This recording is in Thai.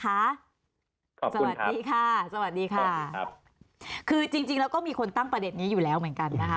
ขอบคุณครับขอบคุณครับคือจริงแล้วก็มีคนตั้งประเด็นนี้อยู่แล้วเหมือนกันนะคะ